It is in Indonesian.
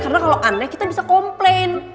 karena kalau aneh kita bisa komplain